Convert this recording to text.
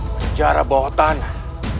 penjara bawah tanah